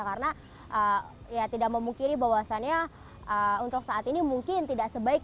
karena ya tidak memungkiri bahwasannya untuk saat ini mungkin tidak sebeb